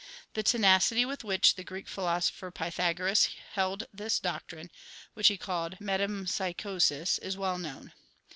The tenacity with which the Greek philosopher Pythagoras held this doctrine, which he called metempsychosis, is well known.